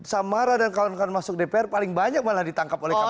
samara dan kawan kawan masuk dpr paling banyak malah ditangkap oleh kpk